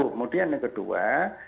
kemudian yang kedua